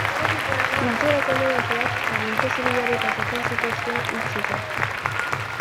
Hiltzera kondenatuak aginte zibilari pasatzen zitzaizkion hil zitzan.